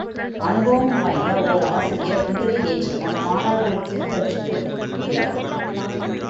அனுபவம் வாய்ந்த ஓராசிரியர் குதிரை ஏற்றமும் மாணவர்கட்குக் கற்றுக்கொடுக்கிறார்.